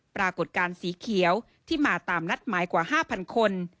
ปรากฏการณ์สีเขียวที่มาตามนัดหมายกว่า๕๐๐คน